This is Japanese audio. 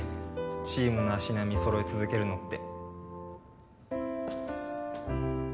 チームの足並み揃え続けるのって